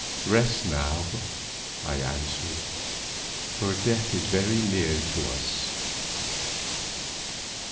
"Rest now," I answered, "for death is very near to us."